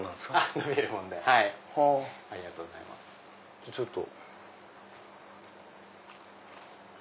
じゃあちょっと。